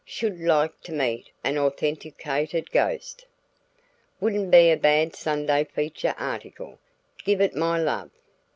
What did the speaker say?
Should like to meet an authenticated ghost. Wouldn't be a bad Sunday feature article. Give it my love.